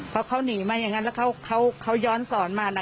เพราะเขาหนีมาอย่างนั้นแล้วเขาย้อนสอนมานะ